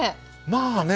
まあね